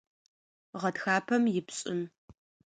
Гъэтхапэм ипшӏым.